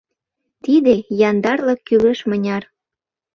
Тиде яндарлык кӱлеш мыняр!